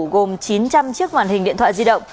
gồm chín trăm linh chiếc màn hình điện thoại di động